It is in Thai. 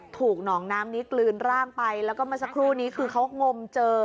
ถูกหนองน้ำนี้กลืนร่างไปแล้วก็เมื่อสักครู่นี้คือเขางมเจอ